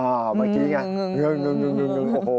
อ่าเมื่อกี้ไงโอ้โฮเสียงกล้องกลางวาน